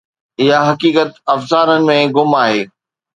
اها حقيقت افسانن ۾ گم آهي.